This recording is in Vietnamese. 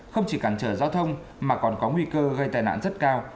không chỉ cản trở giao thông mà còn có nguy cơ gây tai nạn rất cao